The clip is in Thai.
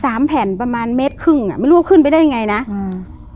แผ่นประมาณเมตรครึ่งอ่ะไม่รู้ว่าขึ้นไปได้ยังไงนะอืม